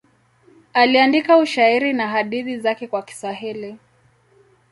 Aliandika ushairi na hadithi zake kwa Kiswahili.